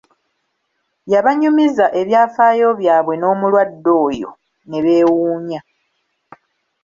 Yabanyumiza ebyafaayo byabwe n'omulwadde oyo, ne beewuunya.